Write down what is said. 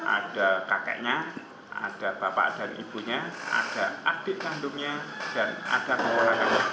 ada kakeknya ada bapak dan ibunya ada adik kandungnya dan ada pengolahannya